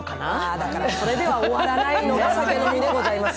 だからそれでは終わらないのが酒飲みでございます。